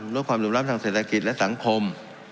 ลดความเหลื่อมล้ำทางเศรษฐกิจและสังคม